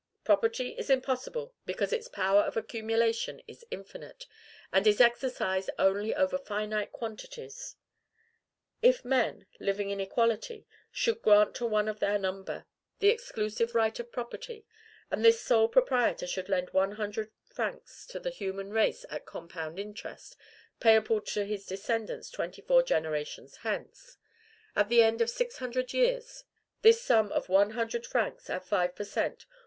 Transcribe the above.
Property is impossible, because its power of Accumulation is infinite, and is exercised only over finite quantities. If men, living in equality, should grant to one of their number the exclusive right of property; and this sole proprietor should lend one hundred francs to the human race at compound interest, payable to his descendants twenty four generations hence, at the end of six hundred years this sum of one hundred francs, at five per cent.